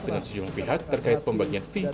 dengan sejumlah pihak terkait pembagian fee